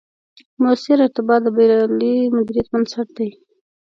مؤثر ارتباط، د بریالي مدیریت بنسټ دی